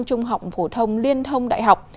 trung học phổ thông liên thông đại học